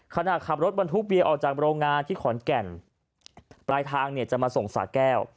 ขณะขับรถบรรทุกเบียร์ออกจากโรงงานที่ขอนแก่นปลายทางเนี่ยจะมาส่งสาแก้ว